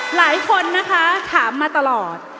หลายคนนะคะถามมาตลอด